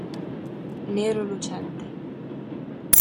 Nero lucente.